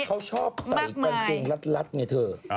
เขาชอบใส่กัฏแครึ่งลัดไงเถอะ